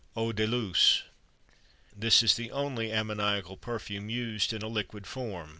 EAU DE LUCE. This is the only ammoniacal perfume used in a liquid form.